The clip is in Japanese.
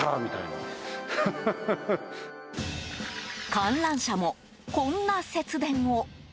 観覧車もこんな節電を。